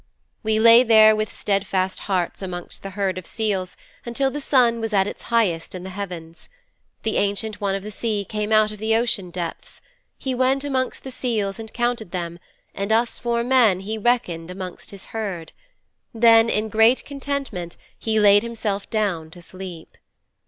'We lay there with steadfast hearts amongst the herd of seals until the sun was at its highest in the heavens. The Ancient One of the Sea came out of the ocean depths. He went amongst the seals and counted them, and us four men he reckoned amongst his herd. Then in great contentment he laid himself down to sleep.